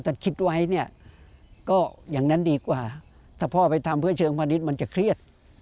ถ้าคิดไว้เนี่ยก็อย่างนั้นดีกว่าถ้าพ่อไปทำเพื่อเชิงพาณิชย์มันจะเครียด